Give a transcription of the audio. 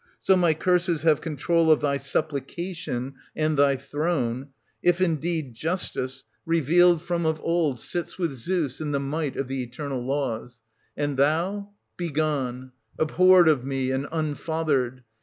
So my curses h^ve control of thy ' sup 1380 plication' and thy 'throne,' — if indeed^ Justice, revealed no SOPHOCLES. [1382— 1413 from of old, sits with Zeus in the might of the eternal laws. And thou — begone, abhorred of me, and unfathered